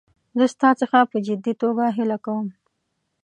زه ستا څخه په جدي توګه هیله کوم.